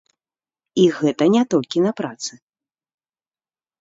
І гэта не толькі на працы.